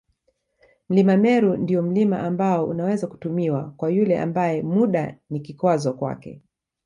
Mlima Meru ndio mlima ambao unaweza kutumiwa kwa yule ambae muda ni kikwazo kwake